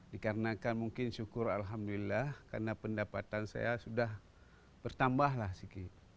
dikarenakan mungkin syukur alhamdulillah karena pendapatan saya sudah bertambahlah sikit